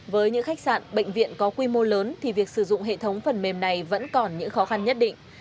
với những khách sạn bệnh viện có quy mô lớn thì việc sử dụng hệ thống phần mềm này vẫn còn những khó khăn nhất định